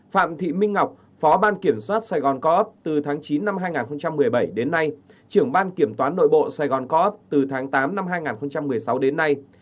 phạm thị minh ngọc phó ban kiểm soát sài gòn co op từ tháng chín năm hai nghìn một mươi bảy đến nay trưởng ban kiểm toán nội bộ sài gòn co op từ tháng tám năm hai nghìn một mươi sáu đến nay